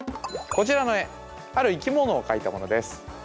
こちらの絵ある生きものを描いたものです。